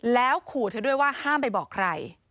แล้วขู่เธอด้วยว่าห้ามไปบอกใคร